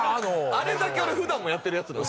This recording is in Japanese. あれだけ俺普段もやってるやつ。